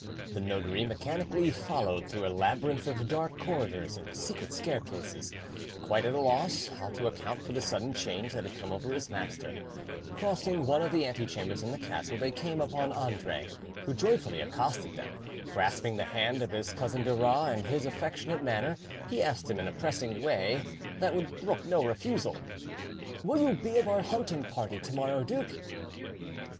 The notary mechanically followed through a labyrinth of dark corridors and secret staircases, quite at a loss how to account for the sudden change that had come over his master—crossing one of the ante chambers in the castle, they came upon Andre, who joyfully accosted them; grasping the hand of his cousin Duras in his affectionate manner, he asked him in a pressing way that would brook no refusal, "Will you be of our hunting party to morrow, duke?"